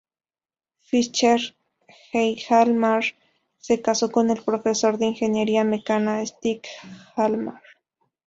Fischer-Hjalmar se casó con el profesor de ingeniería mecánica Stig Hjalmar.